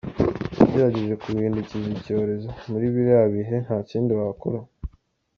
Nagerageje kuwuhindukiza icyerezo, mui birira bihe nta kindi wakora.